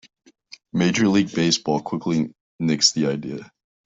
Major League Baseball quickly nixed the idea.